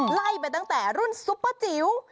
ไล่ไปตั้งแต่รุ่นซุปเปอร์จิ๋ว